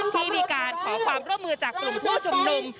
ที่มีการขอความร่วมมือจากกลุ่มผู้ชุมนุม